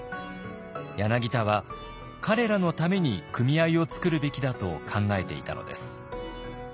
柳田は彼らのために組合を作るべきだと考えていたのです。